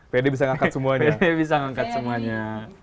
pede bisa mengangkat semuanya